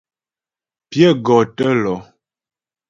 Pyə gɔ tə́ lɔ.